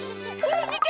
みて！